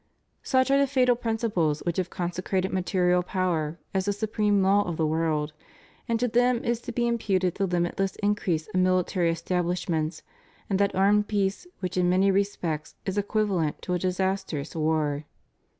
Such are the fatal principles which have consecrated material power as the supreme law of the world, and to them is to be imputed the limitless increase of miUtary establishments and that armed peace which in many respects is equivalent to a disastrous war.